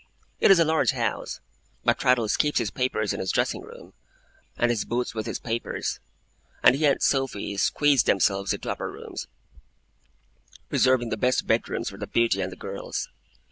It is a large house; but Traddles keeps his papers in his dressing room and his boots with his papers; and he and Sophy squeeze themselves into upper rooms, reserving the best bedrooms for the Beauty and the girls.